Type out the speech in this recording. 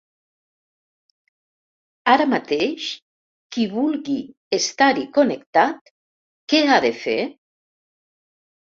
Ara mateix qui vulgui estar-hi connectat què ha de fer?